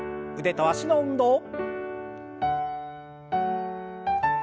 腕と脚の運動。